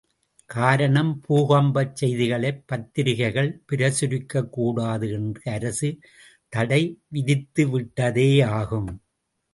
காரணம், பூகம்பச் செய்திகளைப் பத்திரிக்கைகள் பிரசுரிக்கக் கூடாது என்று அரசு தடைவிதித்துவிட்டதேயாகும்.